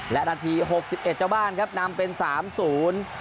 และนาทีหกสิบเอ็ดเจ้าบ้านครับนำเป็นสามศูนย์